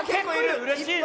うれしいな。